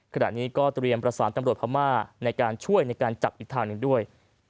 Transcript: ขณะนี้ก็เตรียมประสานตำรวจพม่าในการช่วยในการจับอีกทางหนึ่งด้วย